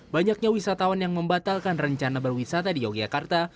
banyaknya wisatawan yang membatalkan rencana berwisata di yogyakarta